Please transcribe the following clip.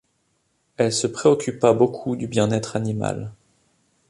Elle se préoccupa beaucoup du bien-être animal.